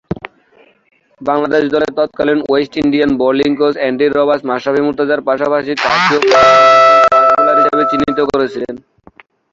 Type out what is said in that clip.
বাংলাদেশ দলের তৎকালীন West Indian bowling coach Andy Roberts Mashrafe মর্তুজা’র পাশাপাশি তাকেও প্রতিশ্রুতিশীল ফাস্ট-বোলার হিসেবে চিহ্নিত করেছিলেন।